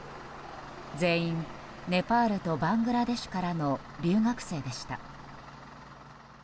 全員、ネパールとバングラデシュからの留学生でした。